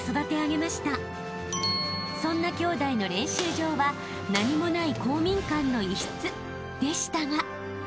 ［そんな兄弟の練習場は何もない公民館の一室でしたが］